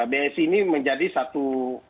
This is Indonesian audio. bsi ini menjadi satu